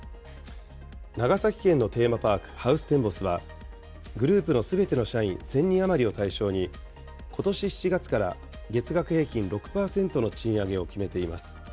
長崎県のテーマパーク、ハウステンボスは、グループのすべての社員１０００人余りを対象に、ことし７月から月額平均６％の賃上げを決めています。